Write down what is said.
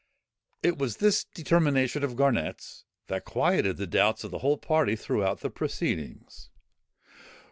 It was this determination of Garnet's, that quieted the doubts of the whole party throughout the proceedings.